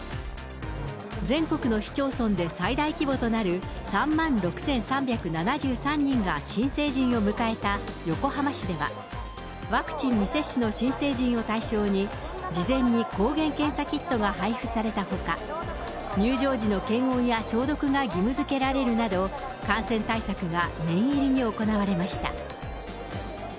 全国の市町村で最大規模となる３万６３７３人が新成人を迎えた横浜市では、ワクチン未接種の新成人を対象に、事前に抗原検査キットが配布されたほか、入場時の検温や消毒が義務づけられるなど、感染対策が念入りに行われました。